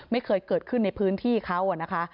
ไม่เคยเกิดขึ้นในพื้นที่เขานะคะ